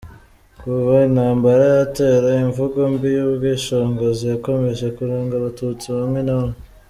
– Kuva intambara yatera, imvugo mbi y’ubwishongozi yakomeje kuranga abatutsi bamwe na bamwe.